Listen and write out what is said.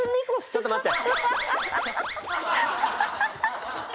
ちょっと待って。